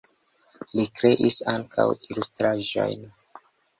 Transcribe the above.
Li kreis ankaŭ ilustraĵojn.